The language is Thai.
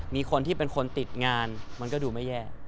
มีคนที่เป็นคนติดงานมันก็ดูไม่แย่